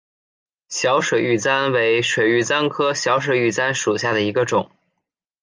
小水玉簪为水玉簪科小水玉簪属下的一个种。